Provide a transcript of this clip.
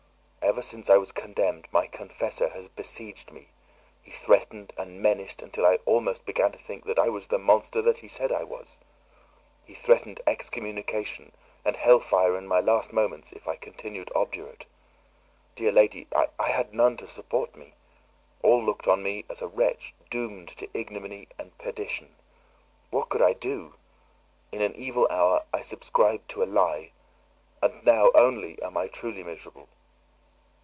Ever since I was condemned, my confessor has besieged me; he threatened and menaced, until I almost began to think that I was the monster that he said I was. He threatened excommunication and hell fire in my last moments if I continued obdurate. Dear lady, I had none to support me; all looked on me as a wretch doomed to ignominy and perdition. What could I do? In an evil hour I subscribed to a lie; and now only am I truly miserable."